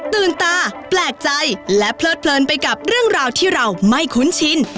ตื่นตาแปลกใจและเพลิดเพลินไปกับเรื่องราวที่เราไม่คุ้นชิน